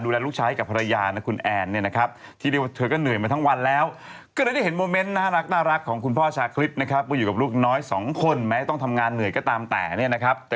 เดี๋ยวจับมา